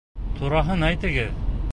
Тураһын әйтегеҙ.